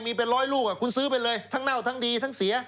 มีเป็นร้อยลูกคุณซื้อไปเลยทั้งเน่าทั้งดีทั้งเสีย